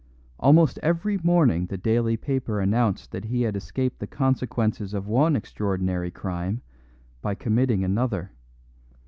Almost every morning the daily paper announced that he had escaped the consequences of one extraordinary crime by committing another.